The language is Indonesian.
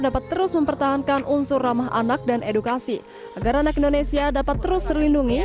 dapat terus mempertahankan unsur ramah anak dan edukasi agar anak indonesia dapat terus terlindungi